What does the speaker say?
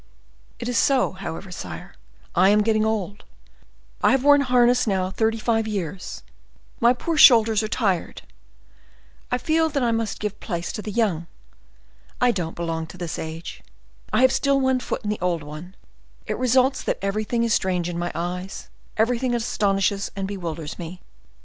"It is so, however, sire. I am getting old; I have worn harness now thirty five years; my poor shoulders are tired; I feel that I must give place to the young. I don't belong to this age; I have still one foot in the old one; it results that everything is strange in my eyes, everything astonishes and bewilders me.